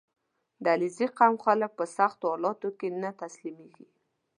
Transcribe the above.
• د علیزي قوم خلک په سختو حالاتو کې نه تسلیمېږي.